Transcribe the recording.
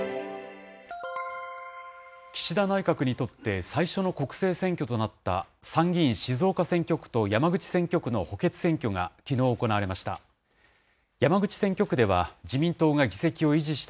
岸田内閣にとって最初の国政選挙となった参議院静岡選挙区と山口選挙区の補欠選挙がきのう行われました。